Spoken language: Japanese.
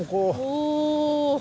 お！